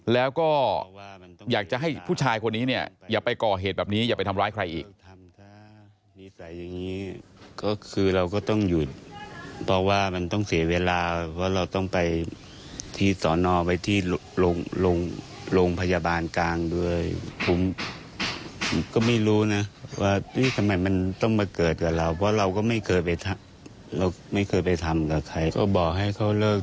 แล้วก็อยากจะให้ผู้ชายคนนี้เนี่ยอย่าไปก่อเหตุแบบนี้อย่าไปทำร้ายใครอีก